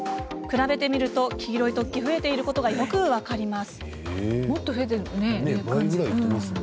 比べてみると黄色い突起が増えていることがよく分かりますよね。